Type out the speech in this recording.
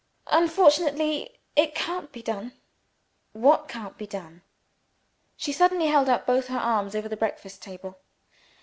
"Unfortunately, it can't be done!" "What can't be done?" She suddenly held out both her arms over the breakfast table.